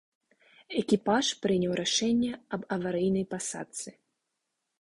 Экіпаж прыняў рашэнне аб аварыйнай пасадцы.